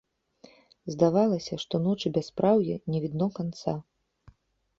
Здавалася, што ночы бяспраўя не відно канца.